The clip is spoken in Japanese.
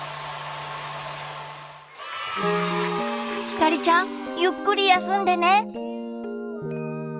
ひかりちゃんゆっくり休んでね。